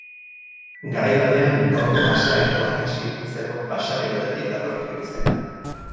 Garai batean, gaurko pasealekuaren hasieran zegoen baserri batetik datorkio izena.